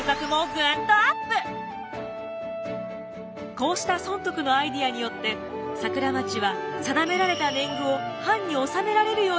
こうした尊徳のアイデアによって桜町は定められた年貢を藩に納められるようになったのです。